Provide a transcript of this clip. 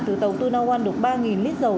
từ tàu tuna one được ba lít dầu